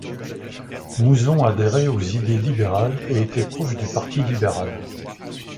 Mouzon adhérait aux idées libérales et était proche du parti libéral.